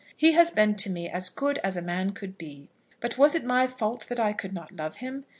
He has been to me as good as a man could be; but was it my fault that I could not love him?